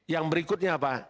yang berikutnya apa